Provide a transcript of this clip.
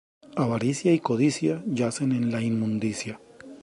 Avaricia y codicia, yacen en la inmundicia